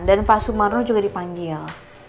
dan pak sumarno juga dipanggil